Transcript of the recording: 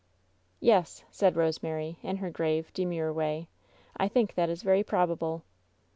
"Yes," said Rosemary, in her grave, demure way, I think that is very probable."